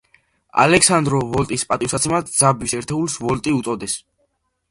ალექსანდრო ვოლტის პატივსაცემად ძაბვის ერთეულს ვოლტი უწოდეს.